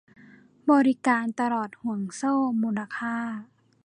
บริการตลอดห่วงโซ่มูลค่า